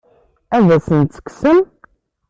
Ad asen-tt-tekksem?